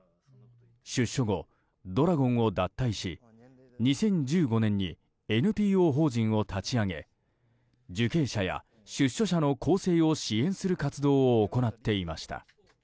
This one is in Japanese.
出所後、怒羅権を脱退し２０１５年にＮＰＯ法人を立ち上げ受刑者や出所者の更生を支援する活動を行っていました。